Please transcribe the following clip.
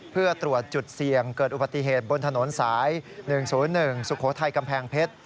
เพื่อตรวจจุดเสี่ยงเกิดอุบัติเหตุบนถนนสาย๑๐๑สุโขทัยกำแพงเพชร